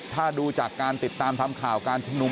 ถ้าดูจากการติดตามทำข่าวการชุมนุม